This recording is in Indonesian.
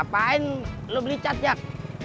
apaan lo beli cat jak